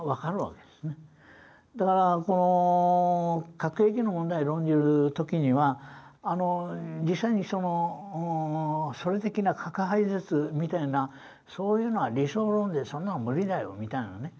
だから核兵器の問題を論じる時には実際にそれ的な核廃絶みたいなそういうのは理想論でそんなの無理だよみたいなね。